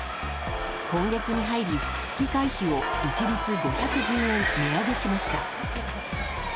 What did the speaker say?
今月に入り月会費を一律５１０円値上げしました。